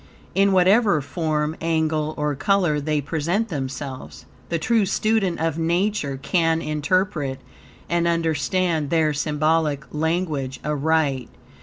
In whatever form, angle, or color they present themselves, the true student of Nature can interpret and understand their symbolic language aright.